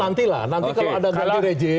nanti lah nanti kalau ada ganti rejim